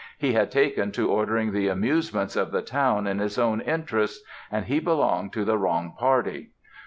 He had taken to ordering the amusements of the town in his own interests; and he belonged to the wrong party."